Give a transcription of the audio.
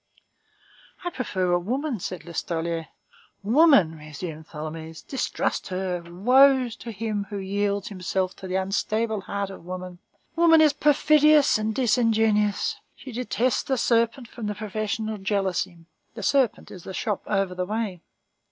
"I prefer a woman," said Listolier. "Woman," resumed Tholomyès; "distrust her. Woe to him who yields himself to the unstable heart of woman! Woman is perfidious and disingenuous. She detests the serpent from professional jealousy. The serpent is the shop over the way."